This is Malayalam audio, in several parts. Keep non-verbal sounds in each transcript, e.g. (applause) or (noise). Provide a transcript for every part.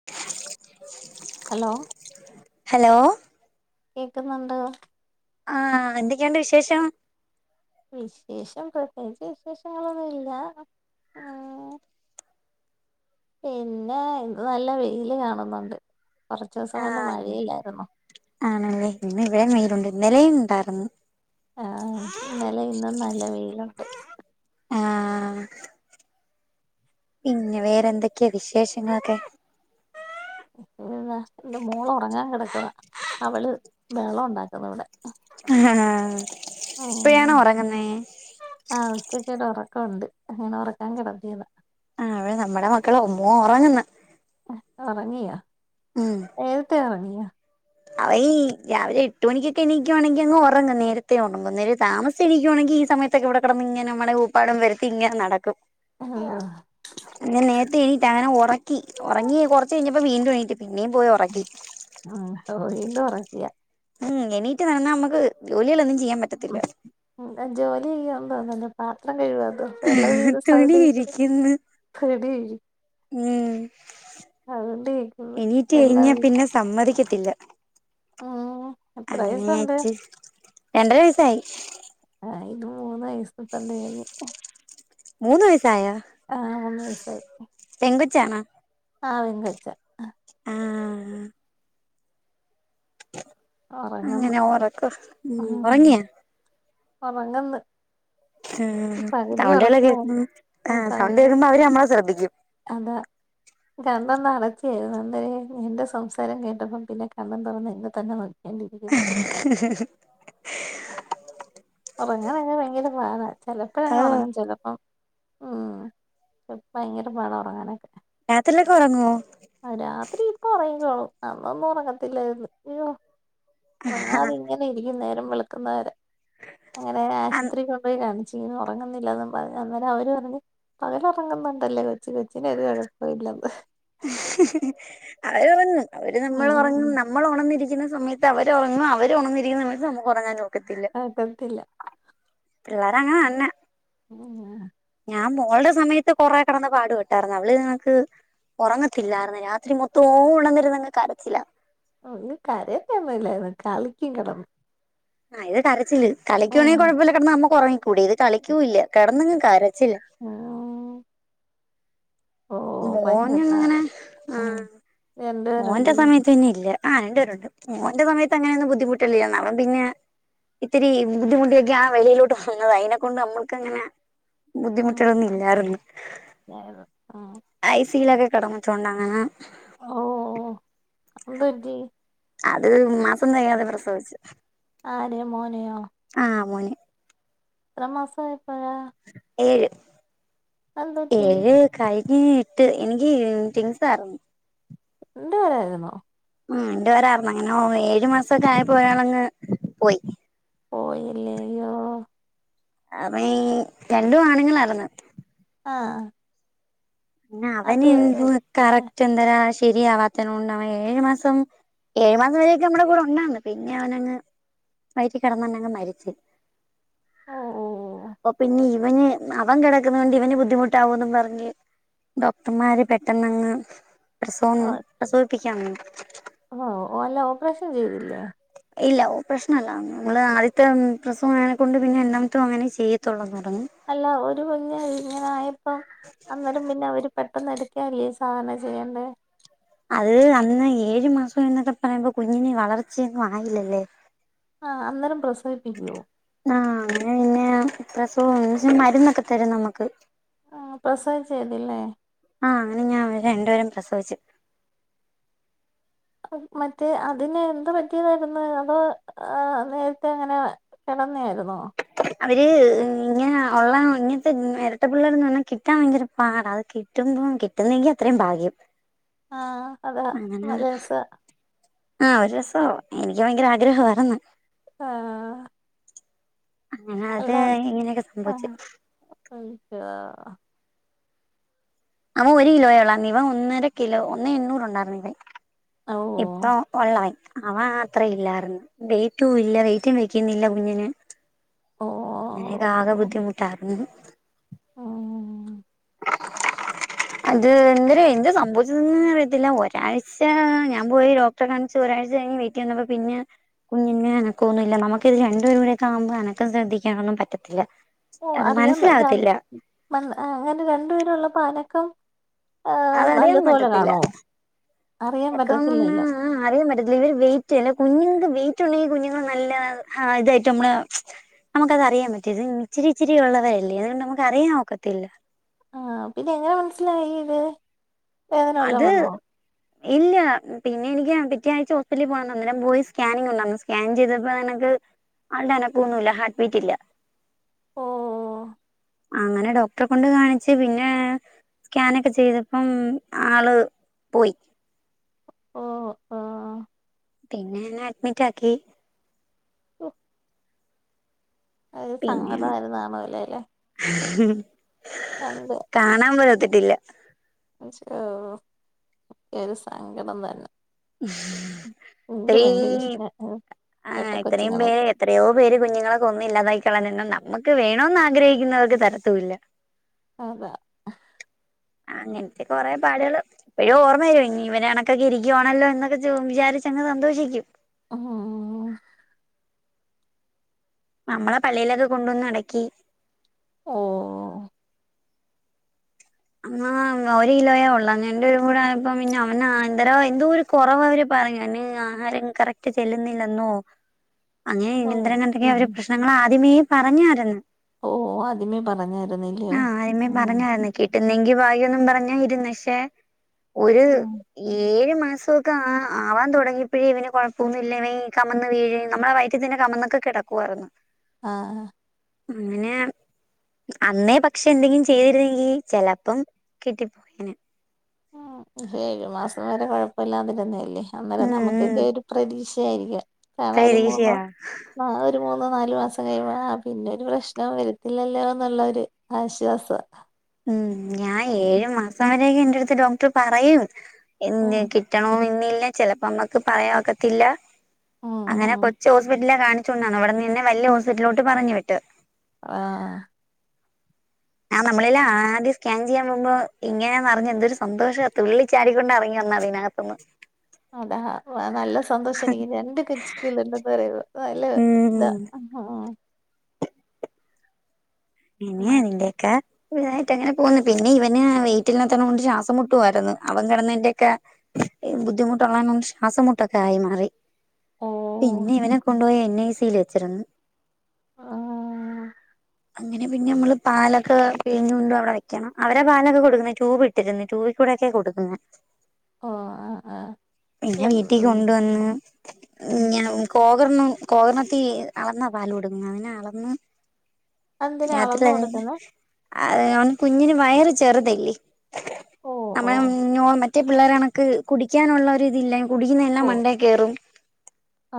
(inaudible) ഹലോ ഹലോ കേക്കുന്നുണ്ടോ? ആഹ് എന്തൊക്കെയുണ്ട് വിശേഷം? വിശേഷം പ്രത്യേകിച്ച് വിശേഷങ്ങളൊന്നുമില്ല. ആഹ് പിന്നെ ഇന്ന് നല്ല വെയില് കാണുന്നുണ്ട് കൊറച്ചോസം കൊണ്ട് ആഹ് മഴയല്ലായിരുന്നോ. ആണല്ലേ ഇന്നിവിടെം വെയിലു ണ്ട്. ഇന്നലെം ണ്ടാരുന്നു. ആഹ് ന്നലേം ന്നും നല്ല വെയിലുണ്ട്. ആഹ് പിന്നെ വേറെന്തൊക്കെയാ വിശേഷങ്ങളൊക്കെ? പിന്നെന്താ ൻറെ മോളൊറങ്ങാൻ കെടക്ക അവള് ബഹളൊണ്ടാക്കുന്ന് വ്ടെ. അഹ ആഹ് ഇപ്പയാണോ ഉം ഒറങ്ങുന്നേ? ആഹ് ഉച്ചക്ക് ഒരു ഉറക്കം ഉണ്ട് അങ്ങനെ ഉറക്കാൻ കിടത്തിയതാ ആഹ് അവടെ നമ്മടെ മക്കള ഒമ്മോ ഉറങ്ങുന്ന് ഉറങ്ങിയൊ ഉം നേരത്തെ ഉറങ്ങിയോ അവ ഈ രാവിലെ എട്ട് മണിക്കൊക്കെ എണീക്കുവാണെങ്കി അങ്ങ് ഒറങ്ങും നേരത്തെ ഒറങ്ങും ഇന്നൊരു താമ ശരിക്കുവാണെങ്കി ഈ സമയത്തൊക്കെ ഇവിടെ കിടന്ന് ഇങ്ങെ നമ്മുടെ ഉപ്പാടും വരുത്തി ഇങ്ങനെ നടക്കും ആഏ ങ്ങനെ നേരത്തെ എണീട്ടാ അങ്ങനെ ഉറക്കി ഉറങ്ങി കുറച്ച് കഴിഞ്ഞപ്പോ വീണ്ടും എണീട്ട് പിന്നെയും പോയി ഉറക്കി ആഹ് ഓഹ് വീണ്ടും ഉറക്കിയ ഉം എനീറ്റ് നടന്നാ നമ്മുക്ക് ജോലികളൊന്നും ചെയ്യാൻ പറ്റത്തില്ല ഉം ജോലി ചെയ്യുവന്ന് തോന്നുന്നല്ലോ പാത്രം കഴുവതോ വെള്ളം ഒഴുകുന്ന സൗണ്ട് തുണി കേക്കുന്ന് ഇരിക്കുന്നു കൊടി ഉം സൗണ്ട് കേക്കുന്ന് എണീറ്റ് വെള്ളം കഴിഞ്ഞാ പിന്നെ ഒഴുക്കുന്നെ സമ്മതിക്കത്തില്ല എത്ര വയസ്സുണ്ട് അങ്ങനെയച്ച് രണ്ടര വയസായി ആഹ് ഇത് മൂന്ന് വയസ് ഇപ്പൊ തെകഞ്ഞ് മൂന്ന് വയസായ ആഹ് മൂന്നു വയസ്സായി പെങ്കൊച്ചാണ ആഹ് പെങ്കൊച്ച ആഹ് ഒറങ്ങന്ന് അങ്ങനെ ഉറക്ക ഉം ഉറങ്ങിയാ ഒറങ്ങന്ന് ഉം സൗണ്ടുകളൊക്കെ ഒറക്കവായി ആഹ് സൗണ്ട് കേൾക്കുമ്പോ അവര് നമ്മളെ ശ്രദ്ധിക്കും അത കണൊന്ന് അടച്ചേരുന്നു അന്നെരം എന്റെ സംസാരം കേട്ടപ്പം പിന്നെ കണ്ണും തൊറന്ന് എന്നെ തന്നെ നോ ഉറങ്ങനൊക്കെ ഭയങ്കര പാടാ ആഹ് ചെലപ്പോഴങ്ങുറങ്ങും ചെലപ്പം ഉം ഭയങ്കര പാടാ ഉറങ്ങാനൊക്കെ രാത്രിയിലൊക്കെ ഒറങ്ങുവോ ആഹ് രാത്രി ഇപ്പം ഒറങ്ങിക്കോളും അന്നൊന്നും ഒറങ്ങത്തില്ലായ്രിന്ന് അയ്യോ ഒറങ്ങാതിങ്ങനെ ഇരിക്കും നേരം വെളക്കുന്നവരെ അങ്ങനെ ആഹ് ആശുപത്രി കൊണ്ടുപോയി കാണി ച്ച് ഒറങ്ങുന്നില്ലെന്നും പറഞ്ഞ് അന്നേരം അവര് പറഞ്ഞ് പകല് ഒറങ്ങുന്നുണ്ടല്ലേ കൊച്ച് കൊച്ചന് ഒരു കൊഴപ്പമില്ലെന്ന് അവര് ഒറങ്ങും അവര് നമ്മള് ഉം ഒറങ്ങണം നമ്മൾ ഒണന്നിരിക്കുന്ന സമയത്ത് അവരൊറങ്ങും അവർ ഒണന്നിരിക്കുന്ന സമയത്ത് നമുക്ക് ഉറങ്ങാനൊ ഒക്കത്തില്ല പിള്ളേരങ്ങനെന്നെ ഉം ആഹ് ഞാൻ മോൾടെ സമയത്ത് കൊറെ കെടന്ന് പാടുപെട്ടാരുന്നു അവള് ഇതേ കണക്ക് ഒറങ്ങത്തില്ലായിരുന്ന് രാത്രി മൊത്തോവും ഒണന്നിര്ന്ന് അങ്ങ് കരച്ചിലാ ഓഹ് ത് കരയത്തൊന്നുല്ലായിരുന്ന് കളിക്കും കെടന്ന് ആഹ് ഇത് കരച്ചില് കളിക്കുവാണെ ഉം കൊഴപ്പല്ല കെടന്ന് നമ്മക്ക് ഒറങ്ങിക്കൂടെ ഇത് കളിക്കൂല്ല കെടന്നങ് കരച്ചില് ആഹ് ഭയങ്കര മോനന്നും ഇങ്ങനെ പാടായിരുന്നു ഉം ആഹ് രണ്ട് മോന്റെ പേരുണ്ടല്ലേ സമയത്ത് പിന്നെ ഇല്ല ആഹ് രണ്ട് പേരുണ്ട്. മോന്റെ സമയത്ത് അങ്ങനെയൊന്നും ബുദ്ധിമുട്ടല്ലില്ലാന്ന് അവൻ പിന്നെ, ഇത്തിരി ബുദ്ധിമുട്ടിയൊക്കെയാ വെളിയിലോട്ട് പോവുന്നത് അയ്നെ കൊണ്ട് നമ്മുക്കങ്ങനെ ഉം ബുദ്ധിമുട്ടുകളൊന്നും ഇല്ലാര്ന്ന്. ആയിരുന്നു ഉം ഐ സിയിലൊക്കെ കടന്നിട്ടുണ്ടങ്ങനെ. ഓഹ് ഓഹ് അതെന്ത് പറ്റി? അത് മാസം തെകയാതെ പ്രസവിച്ചു. ആരെ മോനെയോ? ആഹ് മോനെ. എത്രാം മാസായെപ്പഴാ? ഏഴ്. അതെന്തുപറ്റി ഏഴ്, കഴ്ഞ്ഞ് ഇട്ട് എനിക്ക് ട്വിൻസായിരുന്നു. രണ്ട് പേരായിരുന്നോ? ഉം രണ്ട് പേരാർന്ന് അങ്ങനെ ഒ ഏഴു മാസൊക്കെ ആയിപ്പോ ഒരാളങ് പോയി. പോയില്ലേയോ. അതീ രണ്ടും ആണുങ്ങളാർന്ന്. ആഹ് ആഹ് പിന്നെ അവന് അത് എന്തു കറക്റ്റ് എന്തരാ ശരിയാവാത്തേന കൊണ്ട് അവൻ ഏഴു മാസം ഏഴ് മാസം വരെയൊക്കെ നമ്മടെ കൂടെ ഉണ്ടാർന്ന് പിന്നെ അവനങ് വയറ്റി കെടന്നെന്നങ്ങ് മരിച്ച്. ആഹ് ആഹ്. അപ്പൊപിന്നെ ഇവന് അവൻ കെടക്കുന്നോണ്ട് ഇവന് ബുദ്ധിമുട്ടാവുംന്ന് പറഞ്ഞ് ഡോക്ടർമാര് പെട്ടെന്നങ്ങ് പ്രസവം ഓഹ് പ്രസവിപ്പിക്കാൻ നിന്നു. ഓഹ് അല്ല ഓപ്പറേഷൻ ചെയ്തില്ലേ? ഇല്ല ഓപ്‌റേഷല്ല നമ്മള് ആദ്യത്തെ പ്രസവം ആയെനെക്കൊണ്ട് പിന്നെ രണ്ടാമത്തും അങ്ങനെ ചെയ്യത്തുള്ളുന്ന് പറഞ്ഞു. അല്ല ഒരു കുഞ്‌ ഇങ്ങനെ ആയപ്പം അന്നേരം പിന്നെ അവര് പെട്ടെന്ന് എടുക്കല്ലേ സാധരണ ചെയ്യേണ്ടേ. അത് അന്ന് ഏഴ് മാസം എന്നൊക്കെ പറയുമ്പം കുഞ്ഞിനെ വളർച്ചയൊന്നും ആയില്ലല്ലേ. ആഹ് അന്നേരം പ്രസവിപ്പിക്കുവോ? ആഹ് അങ്ങനെ പിന്നെ പ്രസവം എന്ന് വച്ചാ മരുന്നൊക്കെ തരും നമുക്ക്. ആഹ് പ്രസവിച്ചതില്ലേ. ആഹ് അങ്ങനെ ഞാൻ അവെ രണ്ടുപേരും പ്രസവിച്ചു. അപ്പം മറ്റേ അതിന് എന്ത് പറ്റിയതാര്ന്ന്, അതോ നേരത്തെ അങ്ങനെ കെടന്നെ ആയിരുന്നോ? അവര് ഇങ്ങനെ ഉള്ള ഇങ്ങനത്തെ ഇരട്ട പിള്ളേർന്ന് പറഞ്ഞാ കിട്ടാൻ ഭയങ്കര പാടാ. അത് കി ട്ടുമ്പം കിട്ടുന്നെങ്കി അത്രയും ഭാഗ്യം. ആഹ് അതാ അങ്ങനെ നല്ല രസവാ. ആഹ് ഒരു രസവാ. എനിക്കും ഭയങ്കര ആഗ്രഹവായിര്ന്ന്. ആഹ്. അങ്ങനെ അത് അല്ല ഇങ്ങനെയൊക്കെ ആഹ് സംഭവിച്ച്. (unintelligible) അവ ഒരു കിലോയേ ഉള്ളാർന്ന്. ഇവൻ ഒന്നര കിലോ ഒന്നേ എണ്ണൂറുണ്ടായിരുന്നു ഇവൻ. അഓഹ് പ്പൊ ഉള്ളവൻ. അവ അത്ര ഇല്ലായിരുന്നു വെയ്റ്റും ഇല്ല വെയ്റ്റും വെക്കുന്നില്ല കുഞ്ഞിന്. ഓ അങ്ങനേക്ക ആക ബുദ്ധിമുട്ടാർന്ന്. ആ അത് എന്ത്ര എന്ത് സംഭവിച്ചന്ന് അറിയത്തില്ല ഒരാഴ്ച ഞാൻ പോയി ഡോ റ്ററേ കാണിച്ച് ഒരാഴ്ച്ച കഴിഞ്ഞ് വീട്ടിന്നപ്പോ പിന്നെ, കുഞ്ഞിന് അനക്കൊന്നും ഇല്ല നമുക്കിത് രണ്ടുപേരും കൂടെയൊക്കെ ആകുമ്പോ അനക്കം ശ്രദ്ധിക്കാനൊന്നും പറ്റത്തില്ല ഓ അത് അറിയാൻ പി മനസ്സിലാവത്തില്ല രണ്ടു ഏ അങ്ങനെ രണ്ടു പേരുള്ളൊപ്പം അനക്കം ഏ അതറിയാൻ നല്ലതുോലെ പറ്റത്തില്ല കാണുവോ അറിയാൻ പറ്റത്തില്ലല്ലോ ആ അറിയാൻ പറ്റത്തില്ല ഇവര് വെയിറ്റ് അല്ല കുഞ്ഞുങ്ങൾക്ക് വെയിറ്റ് ഉണ്ടെങ്കി കുഞ്ഞുങ്ങൾ നല്ല ആ ഇതായിട്ട് നമ്മള് നമുക്ക തറിയാൻ പറ്റും ഇത് ഇിരിച്ചിരിഉള്ളവരല്ലേ അതുകണ്ട് നമു അറിയാൻ ഒക്കത്തില്ല ആ പി പിന്നെ എങ്ങനെ മനസ്സിലായി ഇത് വേദന വല്ലോം അത് വന്നോ ഇല്ല പിന്നെ എനിക്ക് പിറ്റേ ആഴ്ച ഹോസ്പറ്റി പോണം അന്നരം പോയി സ്കാനിംഗ ഉണ്ടന്ന് സ്കാൻ ചെയ്തപ്പോ നിനക്ക് ആളുടെ അനക്കൊ ഒന്നുമല്ല ഹാർട്ട് ബീറ്റില്ല ഓ അങ്ങനെ ഡോക്ടറെ കൊണ്ട് കാണിച്ച് പിന്നെ സ്കാനൊക്കെ ചെയ്തപ്പം ആള് പോയി ഓ പിന്നെ എന്നെ അഡ്മിറ്റാക്കി ഒ അതൊരു സങ്കടായത് കാണൂലെ ല്ലെ ഉ കാണൂലെ കാണാൻ പോഴത്തിട്ടില്ല അശോ എരു സങ്കടം തന്നെ എനിക്ക് ഭയങ്കര ഇത്രയും ഇഷ്ടാണ് ആഹ് ഇരട്ട ഇത്രയും പേര് കൊച്ചുങ്ങളെയൊക്കെ എത്രയോ പേര് കുഞ്ഞുങ്ങളെ കൊന്ന് ഇല്ലാതാക്കി ക്കളഞ്ഞണ്ണു നമുക്ക് വേണമന്ന് ആഗ്രഹിക്കുന്നവർക്ക് തരത്തൂല്ല അത അങ്ങനത്തെ കൊറെ പാടുകള് പിന്നെ ഓർമയില്ലേ ഇനി ഇവനെ ഇണക്കൊക്കെ ഇരിക്കുയാണല്ലോ എന്നൊക്കെ വിചാരിച്ചങ്ങ് സന്തോഷിക്കും ഒഹോ നമ്മളെ പള്ളയിലൊക്കെ കൊണ്ടുവന്ന് അടക്കി ഓ ആ ഒരു കിലോയേ ഒള്ളാ ഞന്റെ ഒരു കൂടെപ്പ പിന്ന അവന എന്തര എന്തോര് കൊറവാവര് പറയാണ് ആഹാരം കറക്റ്റ് ചെല്ലുന്നില്ലെന്നോ, അങ്ങനെ ഓ ഇന്തരങ്ങണ്ടെങ്കി ഉം അവര് പ്രശ്നങ്ങൾ ആദ്യമേ പറഞ്ഞായിരുന്ന് ഓ ആദ്യമേ പറഞ്ഞായിരുന്നല്ലേ ആഹ് ആദ്യമേ ഉം പറഞ്ഞായിരുന്നു കിട്ടുന്നെങ്കി ഭാഗ്യൊന്നും പറഞ്ഞാ ഇരുന്നെ പക്ഷെ ഒരു ഏഴ് മാസൊ ക്കാ ആവാൻ തുടങ്ങിയപ്പഴേ ഇവന് കുഴപ്പൊന്നുല്ലവെ കമന്ന് വീഴേം നമ്മുടെ വൈറ്റിതന്നെ കമന്നൊക്കെ കിടക്കുവാരുന്നു (inaudible) ആ അങ്ങനെ അന്നേ പക്ഷെ എന്തെങ്കിലും ചെയ്തിരുന്നെങ്കി ചെലപ്പം കിട്ടിപ്പോയേനെ ഒരു ഏഴ് മാസം വരെ കൊഴപ്പില്ലാതിരുന്നെയല്ലേ അന്നേരം ഉം ഉം നമുക്കൊക്കെ ഒരു പ്രതീഷ ആയില്ലേ കാണ പോകുമ്പോ പ്രതീക്ഷയാ ആ ഒരു മൂന്ന നാലു മാസം കഴിയുമ്പൊ പിന്നെ ഒരു പ്രശ്നം വരത്തില്ലല്ലോ എന്നുള്ള ഒരു ആശ്വാസവാ (inaudible) ഉം ഞാ ഏഴ് മാസം വരെയൊക്കെ എൻ്റെയടുത്ത് ഡോക്ടറ് പറയും ഉം എന്റെ കി ട്ടണോന്നില്ല ചെലപ്പോ മ്മക്ക് പറയാ ഒക്കത്തില്ല ഉം അങ്ങനെ ഉം കൊച്ച് ഹോസ്പിറ്റൽലാ കാണിച്ചോണ്ട്ന്നെ അവടിന്നെന്നെ വല്ല്യ ഹോസ്പിറ്റലിലോട്ട് പറഞ്ഞു വിട്ട് ആഹ് ആഹ് നമ്മളെല്ലാം ആദ്യം സ്കാൻ ചെയ്യാൻ പോവുമ്പോ ഇങ്ങനാന്ന് അറിഞ്ഞ എന്തൊരു സന്തോഷ തുള്ളിച്ചാടുക്കൊണ്ടാ എറങ്ങി വന്ന അതിനക ത്ത്ന്ന് അതാ നല്ല സന്തോഷായിരിക്കും രണ്ട് കച്ചക്ക്ള്ള പറ നല്ല ഉം ഇതാ ആഹ് ഇനി ഇതിന്റെയെക്കെ ഇവനുവായിട്ടങ്ങനെ പോവ്ന്നു പിന്നെ ഇവന് വെയിറ്റില്ലാത്തോണ്ട് ശ്വാസം മുട്ടുവാര്ന്ന് അവൻ കെടന്നെന്റെക്കെ ബുദ്ധിമുട്ടുള്ളോണ്ട് അവന് ശ്വാസംമുട്ടൊക്കെ ആയി മാറി ഓ പിന്നെ ഇവനെ കൊണ്ടുപോയി എൻ ഐ സി യിൽ വെച്ചിര്ന്ന് ആഹ് അങ്ങനെ അങ്ങനെ പിന്നമ്മള് പാലൊക്കെ പിഴിഞ്ഞു കൊണ്ട് അവിടെ വെക്കണം അവരെ പാലൊക്കെ കൊടുക്കുന്നേ ട്യൂബ് ട്ടിരുന്ന് ട്യൂബികൂടൊക്കെ കൊടുക്കുന്നെ ഓഹ് ആഹ് ആഹ് പിന്നെ അല്ല വീട്ടി ഉം കൊണ്ടു വന്ന് ഞങ്ങ ഉം കോതർണം കോതർണത്തി അളന്നാ പാല് കൊടുക്കുന്നെ അതിനളന്ന് അതെന്തിനാ രാത്രി അളന്ന് തന്നെ കൊടുക്കുന്നെ അത് മോൻ കുഞ്ഞിന് വയറ് ചെറുതല്ലേ ഓ ഓ നമ്മളെ നോർ മറ്റേ പിള്ളേര് കണക്ക് കുടിക്കാനുള്ള ഒരിതില്ല കുടിക്കുന്നെയെല്ലാം മണ്ടേ കേറും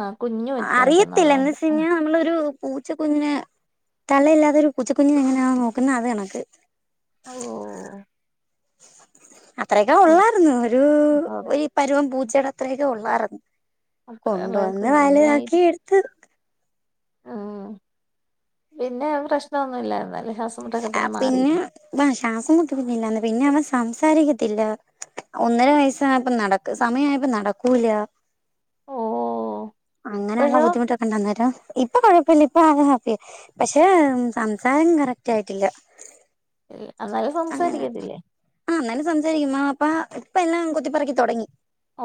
ആഹ് കുഞ്ഞു അറിയത്തില്ല എന്ന് വെച്ചയിഞ്ഞ നമ്മളൊരു പൂച്ച കുഞ്ഞിനെ തള്ളയില്ലാത്ത ഒരു പൂച്ചക്കുഞ്ഞിനെ എങ്ങനെയാണോ നോക്കുന്നെ അത് കണക്ക് ഓഹോ അത്രയെക്കെ ഉം ഒള്ളായിരുന്നു ഒരു ഉം ഒരു പരുവം പൂച്ചടെ അത്രയെക്കെ ഒള്ളായിര്ന്ന് കൊണ്ട് അത്രയുള്ള വന്ന് വല്താക്കി എട്ത്ത് ആഹ് പിന്നെ പ്രശ്നൊന്നുയില്ലരുന്നല്ലേ? ഹസ് ആ പിന്നെ ആ ശ്വാസം മുട്ടും പിന്നില്ലാന്ന് പിന്നെ അവൻ സംസാരിക്കത്തില്ല ഒന്നര വയസ്സായപ്പൊ നടക്കും സമയായപ്പൊ നടക്കൂല ഓഹോ അങ്ങനെള്ള ബുദ്ധിമുട്ട് ണ്ട് അന്നേരം ഇപ്പൊ കൊഴപ്പില്ല്യ ഇപ്പൊ അവൻ ഹാപ്പിയ പക്ഷെ സംസാരം കറക്റ്റായിട്ടില്ല എഹ് അതായത് സംസാരിക്കത്തില്ലേ? ആ എന്നാലും സംസാരിക്കും അമ്മ, പ്പ ഇപ്പൊയെല്ലാം കൊത്തിപ്പൊറക്കി തൊടങ്ങി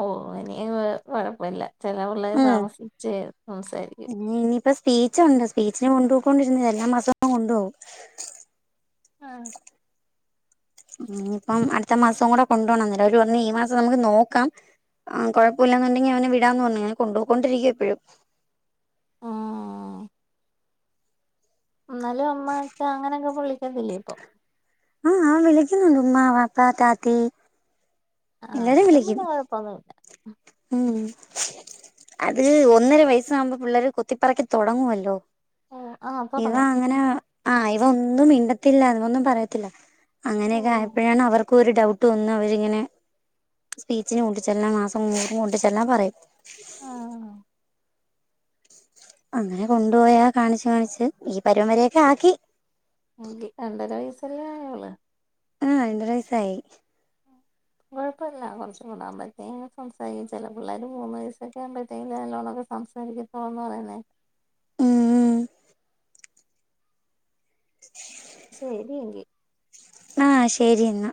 ഓ എനിയെ കൊഴപ്പല്ല ചെല പിള്ളേര് താമസിച്ചെ സംസാരിക്കു ഇഞ് ഇനിയിപ്പ സ് സ്പീച്ചുണ്ട് സ്പീച്ചിന് കൊണ്ടു പോക്കോണ്ടിരുന്നതാ എല്ലാ മാസവും കൊണ്ടു പോകും ആഹ് ഇഞ്പ്പം അടുത്ത മാസം കൂടെ കൊണ്ട് പോണം എന്ന്ട്ടവര് പറഞ്ഞ് ഈ മാസം കൂടെ നമുക്ക് നോക്കാം ആഹ് കൊഴപ്പവില്ലാന്നുണ്ടെങ്കി അവനെ വിടാന്ന് പറഞ്ഞു അങ്ങനെ കൊണ്ട് പൊക്കോണ്ടിരിക്ക്യ ഇപ്പഴും ആഹ് എന്നാലും അമ്മ, അച്ചാ അങ്ങനെക്കെ ഇപ്പൊ വിളിക്കത്തില്ലേ ഇപ്പൊ? ആഹ് അവൻ വിളിക്കുന്നുണ്ട് ഉമ്മാ, വാപ്പ, താത്തി. ആഹ് എല്ലാരും അനേരം വിളിക്കും പിന്നെ കുഴപ്പമൊന്നും മില്ല ഉം അത് ഒന്നര വയസ്സാകുമ്പോ പിള്ളേര് കൊത്തിപ്പറക്കി തുടങ്ങുവല്ലോ ഓ ആ ഇവ തുടങ്ങും അങ്ങനെ ആഹ് ഇവ ഒന്നും മിണ്ടത്തില്ല ഇവന്നും പറയത്തില്ല ഓ അങ്ങനെയൊക്കെ ആയപ്പോഴാണ് അവർക്ക ഒരു ഡൗട്ട് ഒന്നും അവരിങ്ങനെ സ്പീച്ചിന് കൊണ്ടിച്ചെല്ലാം മാസം മൂറി കൊണ്ടിച്ചെല്ലാം പറയും ആ അങ്ങനെ കൊണ്ടു പോയാ കാണിച്ചു കാണിച്ച് ഈ പരുപം വരയൊക്കെ ആക്കി (unintelligible) രണ്ടര വയസ്സല്ലേ ആയോള്ളൂ ആഹ് രണ്ടര വയസായി ഉ കുഴപ്പമില്ല കുറച്ച കൂടാൻ പറ്റ സംസാരിക്കും ചില പിള്ളേർ മൂന്ന് വയസ്സൊക്കെ ആകുമ്പഴത്തേന് നല്ല ലോണൊക്കെ സംസാരിക്കും ഓൻ പറയുന്നെ ഉം ശരി എങ്കിൽ ആഹ് ശരി എന്നാ